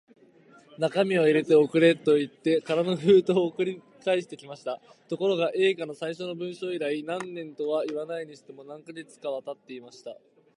中身を入れて送れ、といって空の封筒を送り返してきました。ところが、Ａ 課の最初の文書以来、何年とはいわないにしても、何カ月かはたっていました。